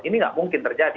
ini nggak mungkin terjadi